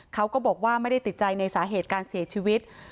เขาก็บอกว่าไม่ได้ติดใจในสาเหตุการเสียชีวิต